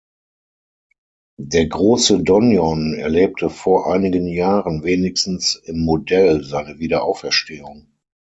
Der große Donjon erlebte vor einigen Jahren wenigstens im Modell seine Wiederauferstehung.